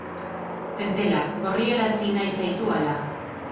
Tentela, gorriarazi nahi zaitu hala?